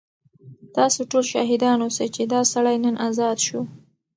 تاسو ټول شاهدان اوسئ چې دا سړی نن ازاد شو.